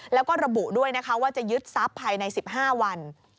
แล้วก็ระบุด้วยนะคะว่าจะยึดทรัพย์ภายใน๑๕วัน